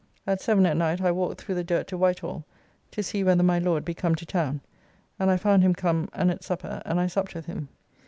At seven at night I walked through the dirt to Whitehall to see whether my Lord be come to town, and I found him come and at supper, and I supped with him.